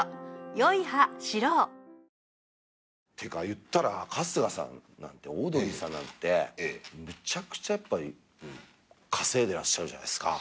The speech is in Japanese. いったら春日さんなんてオードリーさんなんてめちゃくちゃ稼いでらっしゃるじゃないっすか。